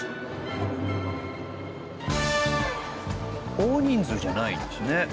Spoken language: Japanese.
大人数じゃないんですね。